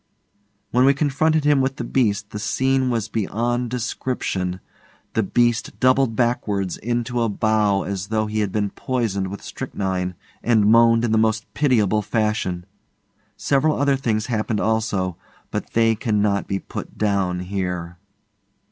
When we confronted him with the beast the scene was beyond description. The beast doubled backwards into a bow as though he had been poisoned with strychnine, and moaned in the most pitiable fashion. Several other things happened also, but they cannot be put down here.